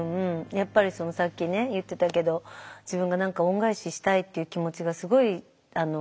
やっぱりさっきね言ってたけど自分が何か恩返ししたいっていう気持ちがすごい大きかったからね